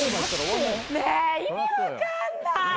ねえ意味分かんない。